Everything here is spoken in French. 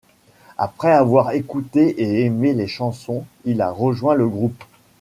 Après avoir écouté et aimé les chansons, il a rejoint le groupe.